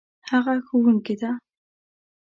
هغه ښوونکې ده